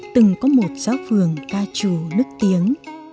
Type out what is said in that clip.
từng có một giáo phường ca trù đức tiếng